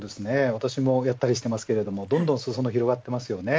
私もやったりしてますけどどんどんすそ野広がってますよね。